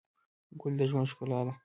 ګل د ژوند ښکلا ده.